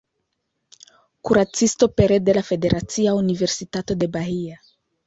Kuracisto pere de la Federacia Universitato de Bahia.